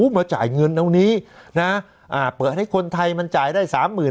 มาจ่ายเงินเท่านี้นะอ่ะเปิดให้คนไทยมันจ่ายได้๓๕๐๐๐